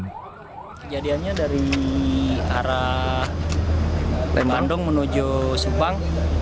kejadiannya dari arah bandung menuju subang